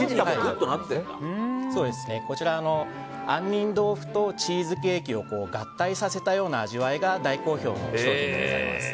杏仁豆腐とチーズケーキを合体させたような味わいが大好評の商品でございます。